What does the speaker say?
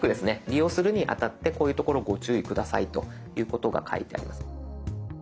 利用するにあたってこういうところご注意下さいということが書いてあります。